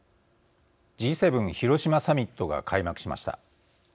Ｇ７広島サミットが開幕しました。